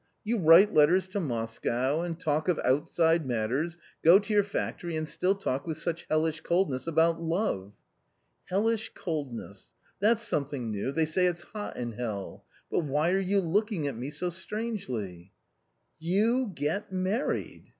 you write letters to Moscow, and talk of outside matters, go to your factory and still talk with such hellish coldness about love !"" Hellish coldness — that's something new, they say it's hot in hell. But why are you looking at me so strangely ?"" You get married